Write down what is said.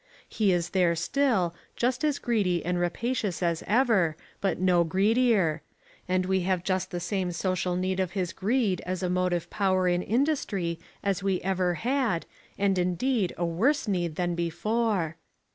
He is there still, just as greedy and rapacious as ever, but no greedier: and we have just the same social need of his greed as a motive power in industry as we ever had, and indeed a worse need than before.